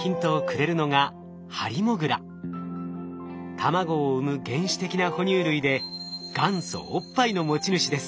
卵を産む原始的な哺乳類で元祖おっぱいの持ち主です。